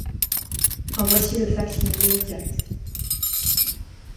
En voici le fac-similé exact.